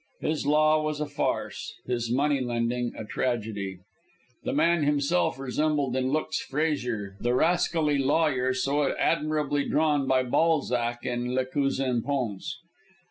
His law was a farce, his money lending a tragedy. The man himself resembled in looks Fraisier, the rascally lawyer so admirably drawn by Balzac in "Le Cousin Pons."